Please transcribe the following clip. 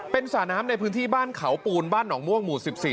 เป็นสระน้ำในพื้นที่บ้านเขาปูนบ้านหนองม่วงหมู่๑๔